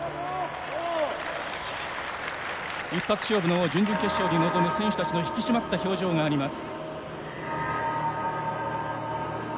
一発勝負の準々決勝に臨む選手たちの引き締まった表情があります。